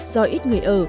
do ít người ở